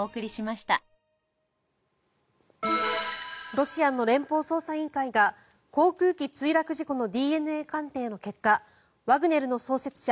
ロシアの連邦捜査委員会が航空機墜落事故のＤＮＡ鑑定の結果ワグネルの創設者